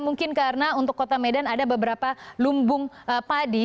mungkin karena untuk kota medan ada beberapa lumbung padi